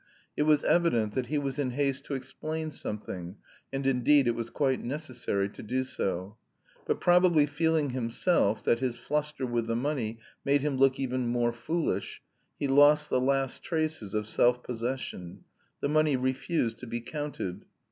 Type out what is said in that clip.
It was evident that he was in haste to explain something, and indeed it was quite necessary to do so. But probably feeling himself that his fluster with the money made him look even more foolish, he lost the last traces of self possession. The money refused to be counted.